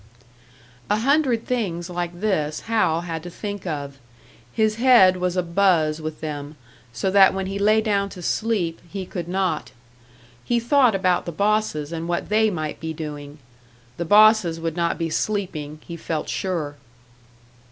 A hundred things like this Hal had to think of; his head was a buzz with them, so that when he lay down to sleep he could not. He thought about the bosses, and what they might be doing. The bosses would not be sleeping, he felt sure!